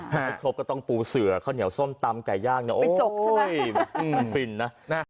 ถ้าครบก็ต้องปูเสือข้าวเหนียวส้มตำไก่ย่างนะโอ้จกใช่ไหมมันฟินนะ